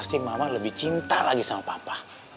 pasti mama lebih cinta lagi sama papa